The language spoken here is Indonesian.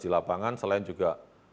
di lapangan selain juga